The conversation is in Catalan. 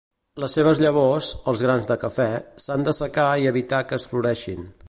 Les seves llavors, els grans de cafè, s'han d'assecar i evitar que es floreixin.